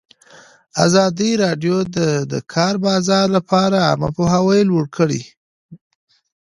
ازادي راډیو د د کار بازار لپاره عامه پوهاوي لوړ کړی.